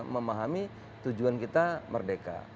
memahami tujuan kita merdeka